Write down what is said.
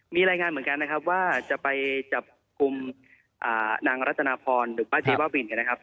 มีรายงานเหมือนกันนะครับว่าจะไปจับกลุ่มนางรัตนาพรหรือป้าเจ๊บ้าบินเนี่ยนะครับ